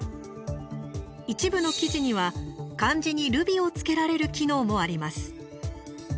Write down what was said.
一部の記事には、漢字にルビを付けられる機能もあります。